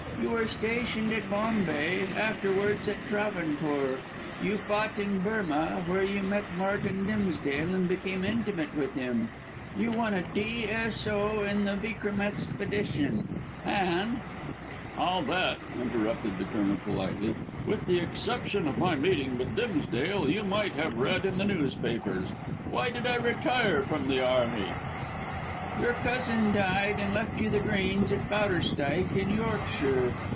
You were stationed at Bombay, afterwards at Travancore. You fought in Burmah, where you met Martin Dimsdale, and became intimate with him. You won a D.S.O. in the Vikram Expedition, and " "All that," interrupted the Colonel politely, "with the exception of my meeting with Dimsdale, you might have read in the newspapers. Why did I retire from the army?" "Your cousin died and left you The Grange at Bowderstyke, in Yorkshire.